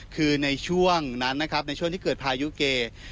คือในช่วงนั้นนะครับในช่วงที่เกิดพายุเก